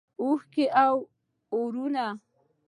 اوښکې اورونه